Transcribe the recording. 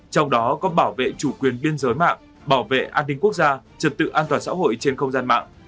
trong đó có bảo vệ chủ quyền biên giới mạng bảo vệ an ninh quốc gia trật tự an toàn xã hội trên không gian mạng